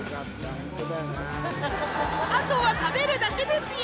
あとは食べるだけですよ